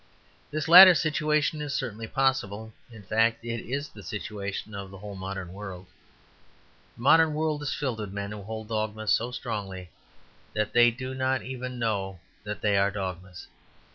This latter situation is certainly possible; in fact, it is the situation of the whole modern world. The modern world is filled with men who hold dogmas so strongly that they do not even know that they are dogmas.